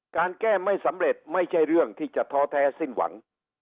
การแก้ไม่สำเร็จไม่ใช่เรื่องที่จะท้อแท้สิ้นหวัง